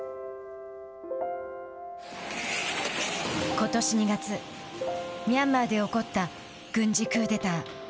ことし２月ミャンマーで起こった軍事クーデター。